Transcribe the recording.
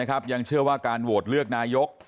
อาจารย์ธนพลยังเชื่อว่าการโหวตเลือกนายก